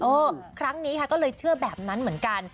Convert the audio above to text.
ครั้งนี้ค่ะก็เลยเชื่อแบบนั้นเหมือนกัน